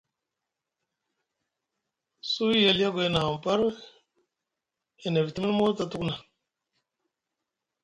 Suwi aliogoy na ahamu par e niviti miŋ mota tuku na.